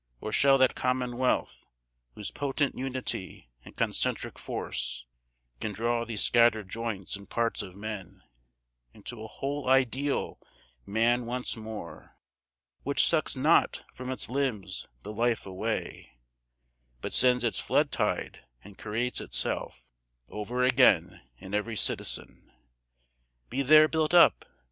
Or shall that commonwealth Whose potent unity and concentric force Can draw these scattered joints and parts of men Into a whole ideal man once more, Which sucks not from its limbs the life away, But sends it flood tide and creates itself Over again in every citizen, Be there built up?